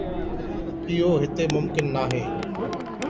اهو هتي ممڪن ناهي.